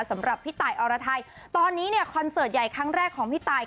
สำหรับพี่ตายอรไทยตอนนี้เนี่ยคอนเสิร์ตใหญ่ครั้งแรกของพี่ตาย